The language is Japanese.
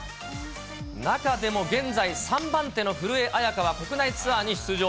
中でも現在３番手の古江彩佳は国内ツアーに出場。